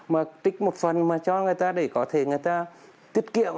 mà tích một phần mà cho người ta để có thể người ta tiết kiệm